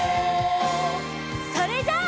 それじゃあ。